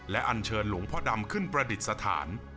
และอันเชิญหลวงพ่อดำขึ้นประดิษฐาน